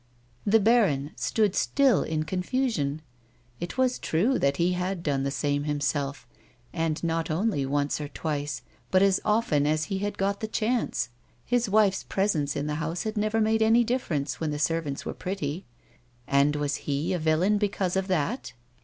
The baron stood still in confusion. It was true that he had done the same himself, and not only once or twice but as often as he had got the chance ; his wife's presence in the house had never made any difference, when the servants were pretty. And was he a villain because of that